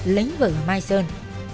lấy vợ mai sơn